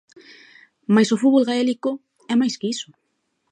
Mais o fútbol gaélico é máis que iso.